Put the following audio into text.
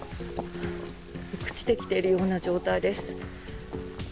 朽ちてきているような状態です。